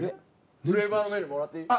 フレーバーのメニューもらっていい？